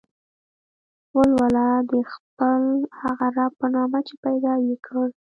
ولوله د خپل هغه رب په نامه چې پيدا يې کړ.